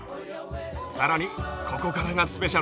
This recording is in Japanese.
さらにここからがスペシャルだ。